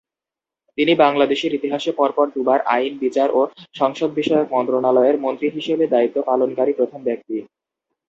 তিনি বাংলাদেশের ইতিহাসে পর পর দুবার আইন, বিচার ও সংসদ বিষয়ক মন্ত্রণালয়ের মন্ত্রী হিসেবে দায়িত্ব পালনকারী প্রথম ব্যক্তি।